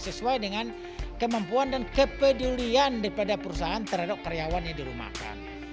sesuai dengan kemampuan dan kepedulian daripada perusahaan terhadap karyawan yang dirumahkan